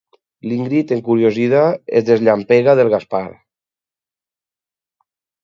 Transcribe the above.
L'Ingrid, encuriosida, es desempallega del Gaspar.